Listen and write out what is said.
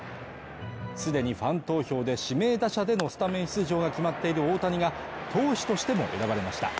既にファン投票で指名打者でのスタメン出場が決まっている大谷が投手としても選ばれました。